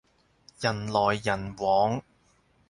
人來人往